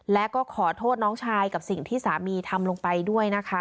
และก็ขอโทษน้องชายกับสิ่งที่สามีทำลงไปด้วยนะคะ